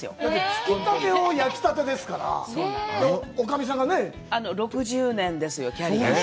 つきたてを焼きたてですから、女将さんがね。６０年ですよ、キャリア。